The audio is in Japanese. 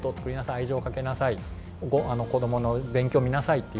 愛情をかけなさいこどもの勉強見なさいっていう。